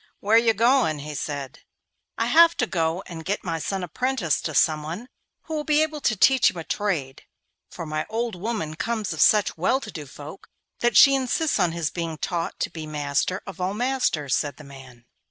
'Where are you going?' he said. 'I have to go and get my son apprenticed to someone who will be able to teach him a trade, for my old woman comes of such well to do folk that she insists on his being taught to be master of all masters,' said the man.